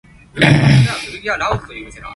究竟媽咪想做乜嘢呢